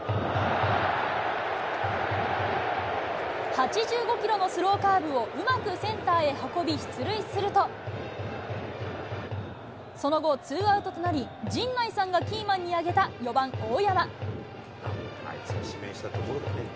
８５キロのスローカーブをうまくセンターへ運び、出塁すると、その後、ツーアウトとなり、陣内さんがキーマンに挙げた４番大山。